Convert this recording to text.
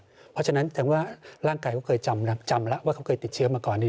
เพราะฉะนั้นถึงว่าร่างกายเขาเคยจำแล้วว่าเขาเคยติดเชื้อมาก่อน